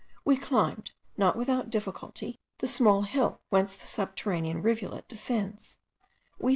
We climbed, not without difficulty, the small hill whence the subterranean rivulet descends.